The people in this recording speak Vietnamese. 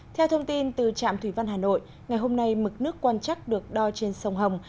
theo thông tin từ trạm thủy văn hà nội ngày hôm nay mực nước quan chắc được đo trên sông hồng